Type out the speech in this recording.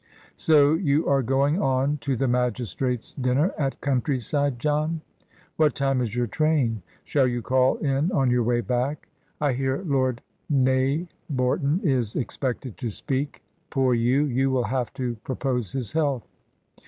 So you are going on to the magistrates' dinner at County side, John? What time is your train? Shall you call in on your way back? I hear Lord Neighborton is ex pected to speak. Poor you! you will have to pro pose his health.